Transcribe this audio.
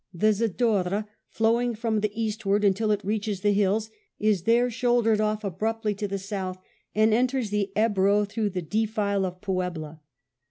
The Zadorra, flowing from the eastward until it reaches the hills, is there shouldered off abruptly to the south and enters the Ebro through the defile of Puebla.